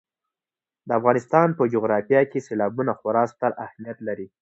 د افغانستان په جغرافیه کې سیلابونه خورا ستر اهمیت لري.